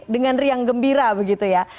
dengan riang gembira begitu ya